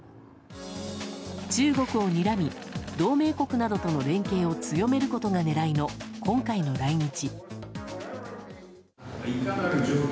中国をにらみ、同盟国などとの連携を強めることなどが狙いの今回の来日。